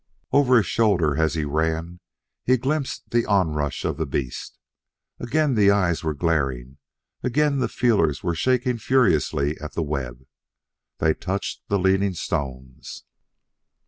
Over his shoulder, as he ran, he glimpsed the onrush of the beast. Again the eyes were glaring, again the feelers were shaking furiously at the web. They touched the leaning stones!